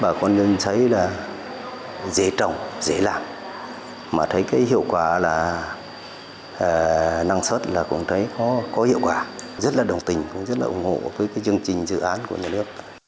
bà con thấy là dễ trồng dễ làm mà thấy cái hiệu quả là năng suất là cũng thấy có hiệu quả rất là đồng tình cũng rất là ủng hộ với cái chương trình dự án của nhà nước